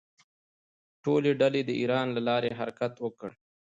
ټولې ډلې د ایران له لارې حرکت وکړ.